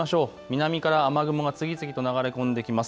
南から雨雲が次々と流れ込んできます。